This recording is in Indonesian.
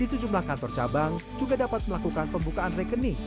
di sejumlah kantor cabang juga dapat melakukan pembukaan rekening